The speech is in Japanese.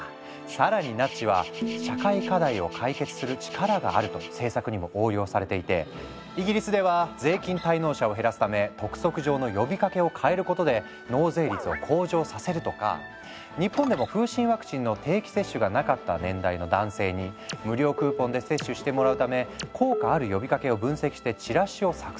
更にナッジは社会課題を解決する力があると政策にも応用されていてイギリスでは税金滞納者を減らすため督促状の呼びかけを変えることで納税率を向上させるとか日本でも風しんワクチンの定期接種がなかった年代の男性に無料クーポンで接種してもらうため効果ある呼びかけを分析してチラシを作成するとかしているんだ。